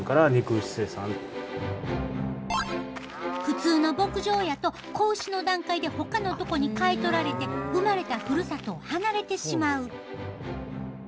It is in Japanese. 普通の牧場やと子牛の段階でほかのとこに買い取られて生まれたふるさとを離れてしまう。